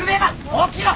起きろ！